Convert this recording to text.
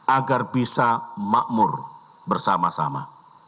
agar bisa makmur bersama sama